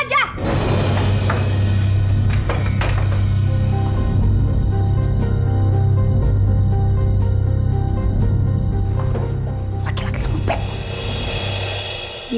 laki laki temen pet